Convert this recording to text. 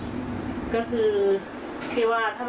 มีคนรอดูอยู่แล้ว๓๐๐๐วิว